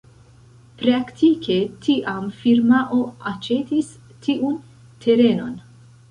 Praktike tiam firmao aĉetis tiun terenon.